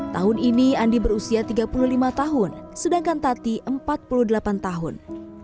tahun ini andi berusia tiga puluh lima tahun sedangkan tati empat puluh delapan tahun